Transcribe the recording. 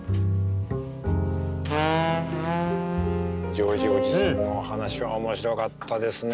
ジョージおじさんの話は面白かったですね。